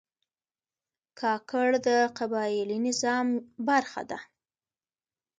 کاکړ د قبایلي نظام برخه ده.